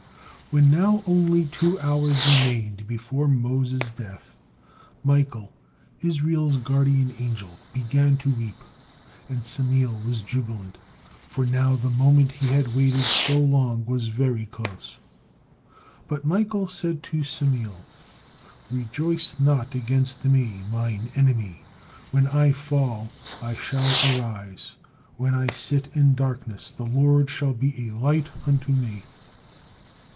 When now only two hours remained before Moses' death, Michael, Israel's guardian angel, began to weep, and Samael was jubilant, for now the moment he had awaited so long was very close. But Michael said to Samael: "'Rejoice not against me, mine enemy: when I fall, I shall arise; when I sit in darkness, the Lord shall be a light unto me.'